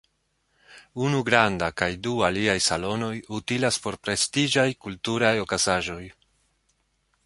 Unu granda kaj du aliaj salonoj utilas por prestiĝaj kulturaj okazaĵoj.